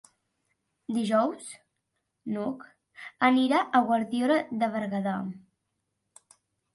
Dijous n'Hug anirà a Guardiola de Berguedà.